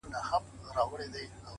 سوله كوم خو زما دوه شرطه به حتمآ منې،